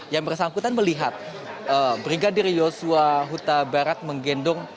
yang bersangkutan melihat brigadir yosua huta barat menggendong